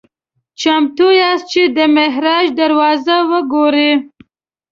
"چمتو یاست چې د معراج دروازه وګورئ؟"